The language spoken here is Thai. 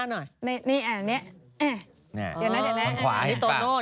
นี่อ่ะนี่